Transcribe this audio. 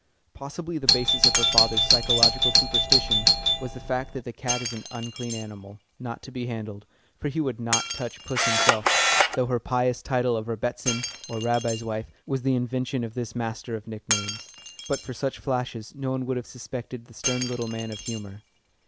Possibly the basis of her father's psychological superstition was the fact that the cat is an unclean animal, not to be handled, for he would not touch puss himself, though her pious title of "Rebbitzin," or Rabbi's wife, was the invention of this master of nicknames. But for such flashes no one would have suspected the stern little man of humour.